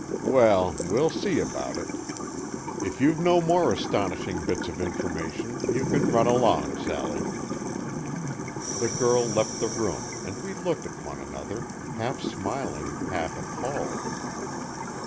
"Well, we'll see about it. If you've no more astonishing bits of information, you can run along, Sally." The girl left the room, and we looked at one another, half smiling, half appalled.